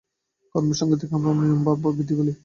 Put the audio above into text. কর্মের সঙ্গতিকেই আমরা নিয়ম বা বিধি বলি।